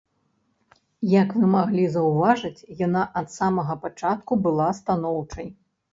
Як вы маглі заўважыць, яна ад самага пачатку была станоўчай.